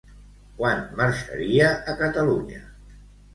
Quan marxaria a Catalunya?